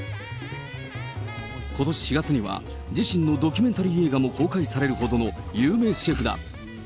ことし４月には、自身のドキュメンタリー映画も公開されるほどの有名シェフだ。